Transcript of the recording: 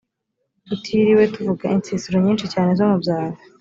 tutiriwe tuvuga insisiro nyinshi cyane zo mu byaro.